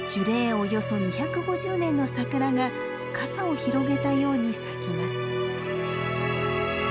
およそ２５０年のサクラが傘を広げたように咲きます。